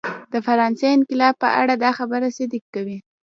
د فرانسې انقلاب په اړه دا خبره صدق کوي.